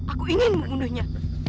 aku ingin mengunuhnya